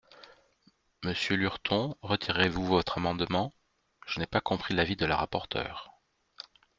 Monsieur Lurton, retirez-vous votre amendement ? Je n’ai pas compris l’avis de la rapporteure.